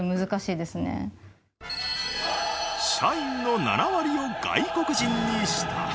社員の７割を外国人にした。